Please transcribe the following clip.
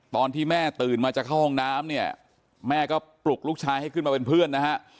ตอนที่แม่ตื่นมาจะเข้าห้องน้ำเนี่ยแม่ก็ปลุกลูกชายให้ขึ้นมาเป็นเพื่อนนะฮะ